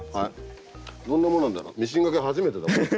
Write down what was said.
どんなもんなんだろうミシンがけ初めてだもん。